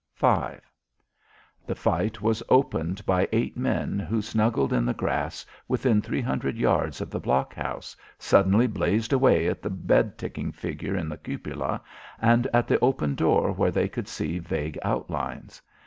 V The fight was opened by eight men who, snuggling in the grass, within three hundred yards of the blockhouse, suddenly blazed away at the bed ticking figure in the cupola and at the open door where they could see vague outlines.